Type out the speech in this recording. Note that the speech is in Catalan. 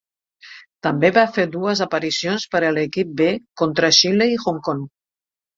També va fer dues aparicions per a l'equip B, contra Xile i Hong Kong.